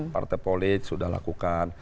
partai polit sudah lakukan